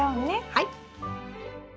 はい。